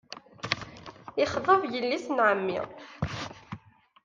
Yexḍeb yelli-s n ɛemmi.